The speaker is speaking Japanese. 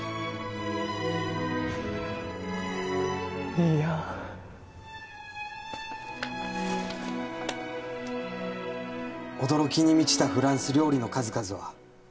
兄やん「驚きに満ちたフランス料理の数々は」